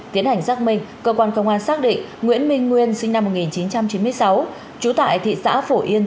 tiến hành xác minh cơ quan công an xác định nguyễn minh nguyên sinh năm một nghìn chín trăm chín mươi sáu trú tại thị xã phổ yên